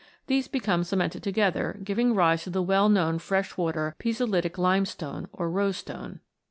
These become cemented together, giving rise to the well known freshwater pisolitic limestone or roestone.